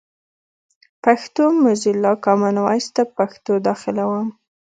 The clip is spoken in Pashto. پښتو موزیلا، کامن وایس ته پښتو داخلوم.